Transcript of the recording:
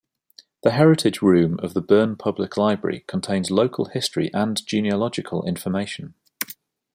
The Heritage Room of the Berne Public Library contains local history and genealogical information.